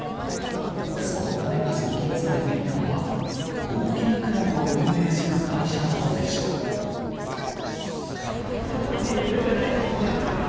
その金が送金されていたのは、高級クラブを運営する会社などでちょっとね、許せないですね、それは。